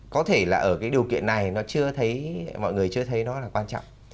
có thể là ở cái điều kiện này nó chưa thấy mọi người chưa thấy nó là quan trọng